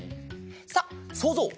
さあそうぞう！